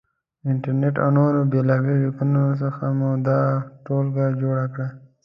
انټرنېټ او نورو بېلابېلو لیکنو څخه مې دا ټولګه جوړه کړه.